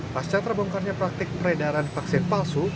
pasca terbongkarnya praktik peredaran vaksin palsu